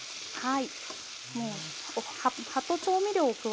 はい。